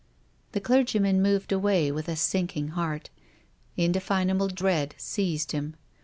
The clergyman moved away with a sinking heart. Indefinable dread seized him.